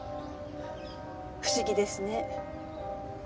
不思議ですね。